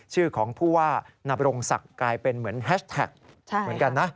ชื่อของผู้ว่านบรงศักดิ์กลายเป็นเหมือนแฮชแท็กเหมือนกันนะ